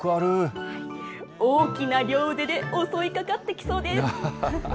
大きな両腕で襲いかかってきそうです。